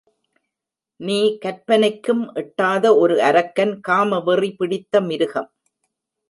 நீ கற்பனைக்கும் எட்டாத ஒரு அரக்கன் காமவெறி பிடித்த மிருகம்.